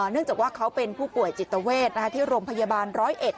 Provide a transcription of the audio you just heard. เนื่องจากว่าเขาเป็นผู้ป่วยจิตเวทที่โรงพยาบาลร้อยเอ็ด